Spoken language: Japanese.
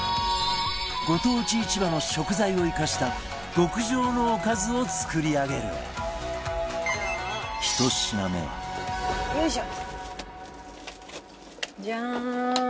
ご当地市場の食材を生かした極上のおかずを作り上げる１品目は和田：よいしょ。